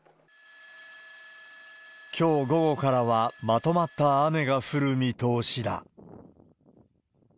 きょう午後からは、まとまった雨が降る見通しだ。